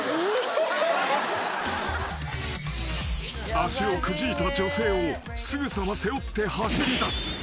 ［足をくじいた女性をすぐさま背負って走りだす］